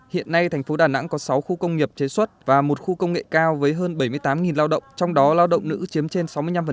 hiện nay thành phố đà nẵng có sáu khu công nghiệp chế xuất và một khu công nghệ cao với hơn bảy mươi tám lao động trong đó lao động nữ chiếm trên sáu mươi năm